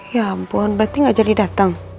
ya ampun berarti gak jadi datang